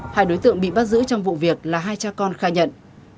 hai đối tượng bị bắt giữ trong vụ việc là hai cha con khai nhận